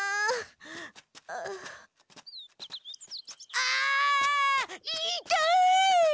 あ言いたい！